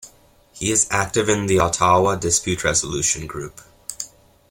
He is active in the Ottawa Dispute Resolution Group.